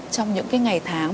trong những cái ngày tháng